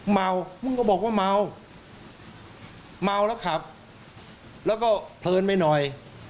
เมามึงก็บอกว่าเมาเมาแล้วขับแล้วก็เพลินไปหน่อย